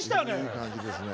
いい感じですね。